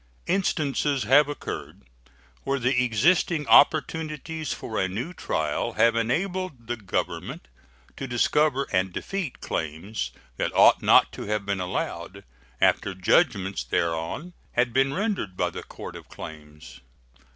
Instances have occurred where the existing opportunities for a new trial have enabled the Government to discover and defeat claims that ought not to have been allowed, after judgments thereon had been rendered by the Court of Claims.